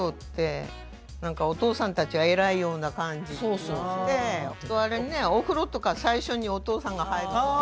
あれねお風呂とか最初にお父さんが入るとか。